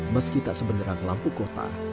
meski tak sebenderang lampu kota